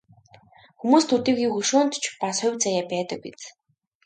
Хүмүүст төдийгүй хөшөөнд ч бас хувь заяа байдаг биз.